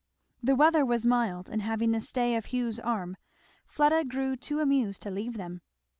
The weather was mild, and having the stay of Hugh's arm Fleda grew too amused to leave them.